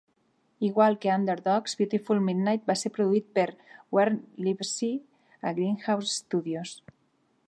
Igual que "Underdogs", "Beautiful Midnight" va ser produït per Warne Livesey a Greenhouse Studios.